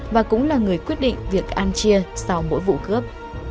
và cũng là người quyết định việc ăn chia sau mỗi vụ cướp